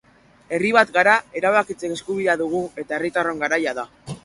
Herri bat gara, erabakitzeko eskubidea dugu eta herritarron garaia da.